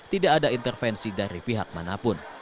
tidak ada intervensi dari pihak manapun